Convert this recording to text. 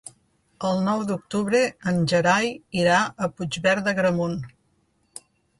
El nou d'octubre en Gerai irà a Puigverd d'Agramunt.